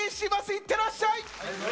いってらっしゃい！